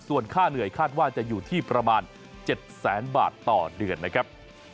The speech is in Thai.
ส่วนค่าเหนื่อยคาดว่าจะอยู่ที่ประมาณ๗แสนบาทต่อเดือนนะครับ